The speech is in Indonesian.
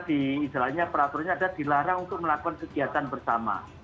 seharinya itu di atas lima puluh maka di peraturan ini ada dilarang untuk melakukan kegiatan bersama